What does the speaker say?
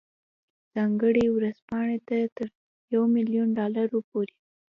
ځانګړې ورځپاڼې ته تر یو میلیون ډالرو پورې.